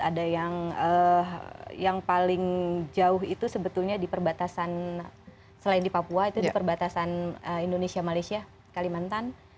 ada yang paling jauh itu sebetulnya di perbatasan selain di papua itu di perbatasan indonesia malaysia kalimantan